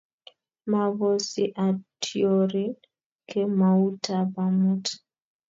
maabosi atyorin kemoutab amut